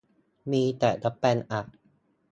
มีแต่สแปมอ่ะ